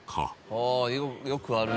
ああよくある。